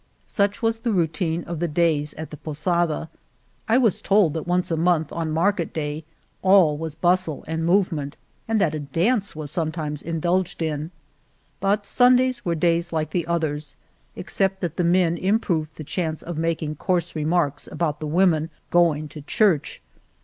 Such was the routine of the days at the posada. I was told that once a month, on market day, all was bustle and movement, and that a dance was sometimes indulged in ; but Sundays were days like the others, ex cept that the men improved the chance of making coarse remarks about the women go 43 Argamasilla ing to church.